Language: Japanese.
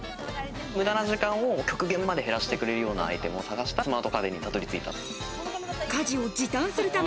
無駄な時間を極限まで減らしてくれるようなアイテムを探したら、スマート家電にたどり着いた。